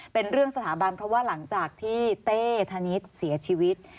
เป็นเรื่องสถาบันเพราะว่าหลังจากที่เต้ธนิษฐ์เสียชีวิต